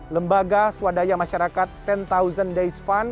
lembaga swadaya masyarakat sepuluh days fund